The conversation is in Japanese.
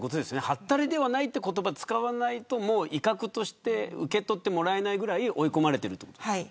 はったりではないという言葉を使わないと威嚇として受け取ってもらえないくらい追い込まれているということですか。